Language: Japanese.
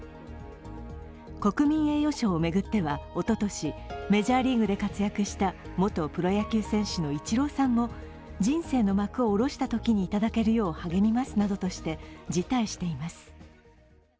国民栄誉賞を巡ってはおととしメジャーリーグで活躍した元プロ野球選手のイチローさんも人生の幕を下ろしたときにいただけるよう励みますなどとして辞退しています。